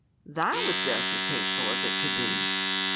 "That was just as hateful as it could be."